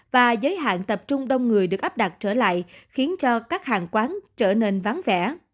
và giới hạn tập trung đông người được áp đặt trở lại khiến cho các hàng quán trở nên vắng vẻ